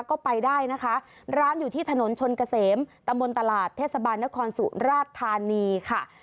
ก็ไปได้นะคะร้านอยู่ที่ถนนชนเกษมตำบลตลาดเทศบาลนครสุราชธานีค่ะ